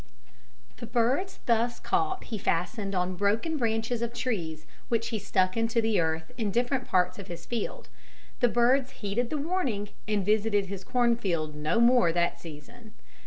The birds thus caught he fastened on broken branches of trees which he stuck into the earth in different parts of his field. The birds heeded the warning and visited his corn field no more that season.